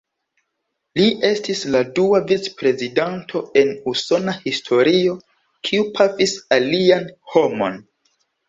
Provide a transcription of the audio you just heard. Li estis la dua vicprezidanto en Usona historio kiu pafis alian homon.